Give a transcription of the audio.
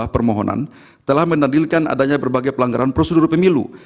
permohonan telah menadilkan adanya berbagai pelanggaran prosedur pemilu